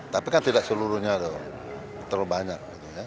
tapi kan tidak seluruhnya terlalu banyak